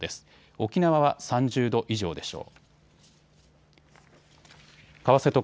沖縄は３０度以上でしょう。